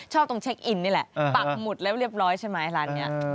ตรงเช็คอินนี่แหละปักหมุดแล้วเรียบร้อยใช่ไหมร้านนี้